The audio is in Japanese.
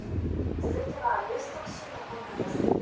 続いてはニュース特集のコーナーです。